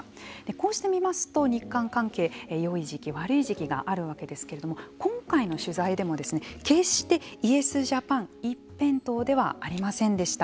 こうして見ますと日韓関係よい時期悪い時期があるわけですけれども今回の取材でも決してイエスジャパン一辺倒ではありませんでした。